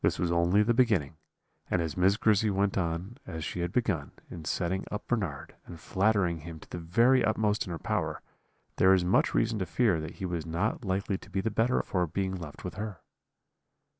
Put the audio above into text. "This was only the beginning; and as Miss Grizzy went on as she had begun, in setting up Bernard, and flattering him to the very utmost in her power, there is much reason to fear that he was not likely to be the better for being left with her.